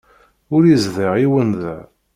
Ur yezdiɣ yiwen da.